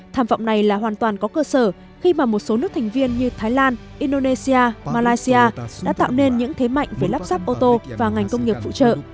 tham vọng này là hoàn toàn có cơ sở khi mà một số nước thành viên như thái lan indonesia malaysia đã tạo nên những thế mạnh về lắp ráp ô tô và ngành công nghiệp phụ trợ